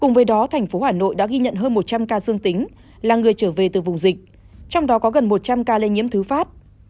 cùng với đó thành phố hà nội đã ghi nhận hơn một trăm linh ca dương tính là người trở về từ vùng dịch trong đó có gần một trăm linh ca lây nhiễm thứ phát